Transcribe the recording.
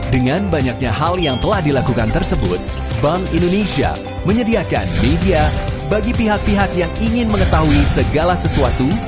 dengan banyaknya hal yang telah dilakukan tersebut bank indonesia menyediakan media bagi pihak pihak yang ingin mengetahui segala sesuatu